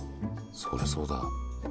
そりゃそうだ。